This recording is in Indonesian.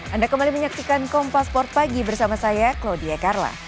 anda kembali menyaksikan kompas sport pagi bersama saya clodia karla